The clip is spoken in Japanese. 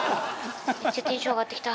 めっちゃテンション上がってきた！